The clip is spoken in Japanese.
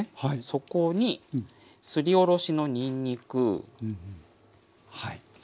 そこにすりおろしのにんにく。